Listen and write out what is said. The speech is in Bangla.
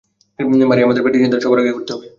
মারি, আমাদের পেটের চিন্তাটা সবার আগে করতে হবে।